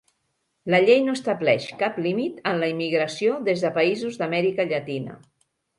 La Llei no estableix cap límit en la immigració des de països d'Amèrica Llatina.